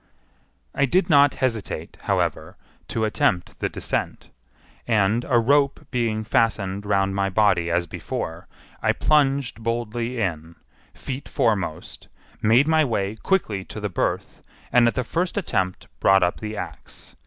I did not hesitate, however, to attempt the descent; and a rope being fastened round my body as before, I plunged boldly in, feet foremost, made my way quickly to the berth, and at the first attempt brought up the axe.